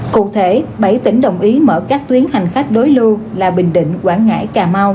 cụ thể bảy tỉnh đồng ý mở các tuyến hành khách đối lưu là bình định quảng ngãi cà mau